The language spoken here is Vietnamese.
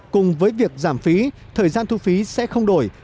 cùng với việc giảm phí thời gian thu phí sẽ không đổi